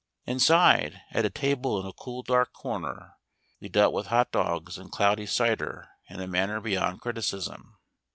Inside, at a table in a cool, dark corner, we dealt with hot dogs and cloudy cider in a manner beyond criticism.